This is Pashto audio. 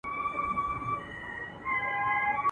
چي اوږدې نه کړي هیڅوک پښې له شړیو.